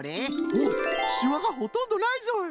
おっしわがほとんどないぞい！